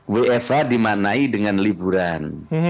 wfh dimanai dengan liburan